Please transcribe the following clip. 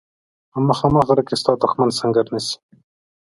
په مخامخ غره کې ستا دښمن سنګر نیسي.